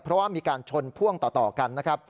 เพราะมีการชนพ่วงต่อกัน